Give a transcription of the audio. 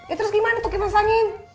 ya terus gimana tuh kipas angin